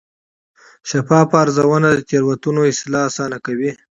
شفافه ارزونه د تېروتنو اصلاح اسانه کوي.